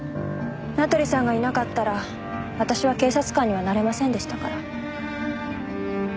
名取さんがいなかったら私は警察官にはなれませんでしたから。